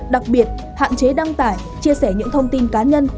đặc biệt hạn chế đăng tải chia sẻ những thông tin cá nhân